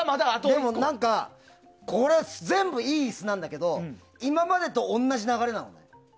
でも何かこれ全部いい椅子なんだけど今までと同じ流れなの。